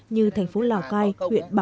như thành phố lào cai huyện bà